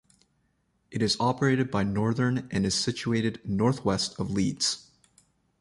It is operated by Northern and is situated north-west of Leeds.